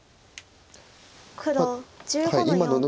黒１５の四ノビ。